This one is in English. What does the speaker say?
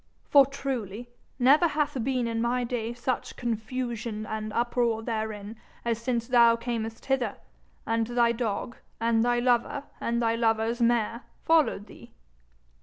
For truly never hath been in my day such confusion and uproar therein as since thou earnest hither, and thy dog and thy lover and thy lover's mare followed thee.'